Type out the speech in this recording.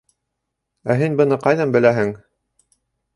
Ә һин быны ҡайҙан беләһең?